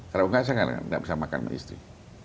kalau enggak saya nggak bisa makan sama istri